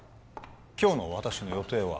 今日の私の予定は？